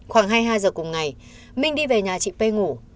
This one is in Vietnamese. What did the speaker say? khoảng hai mươi hai h cùng ngày minh đi về nhà chị pê ngủ